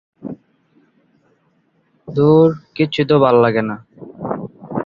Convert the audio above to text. কাব্যগ্রন্থের কবিতাগুলোয় বেশিরভাগই মানবিক বিষয়গুলো তুলে ধরা হয়েছে।